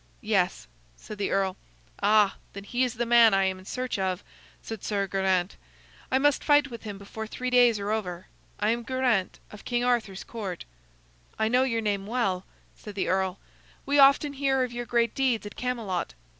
"Yes," said the earl. "Ah, then he is the man I am in search of," said Sir Geraint. "I must fight with him before three days are over. I am Geraint of King Arthur's Court." "I know your name well," said the earl. "We often hear of your great deeds at Camelot.